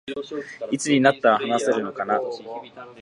いつになったら話せるのかな